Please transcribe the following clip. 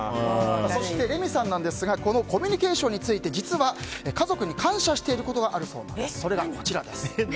そして、レミさんですがコミュニケーションについて実は家族に感謝していることがあるそうです。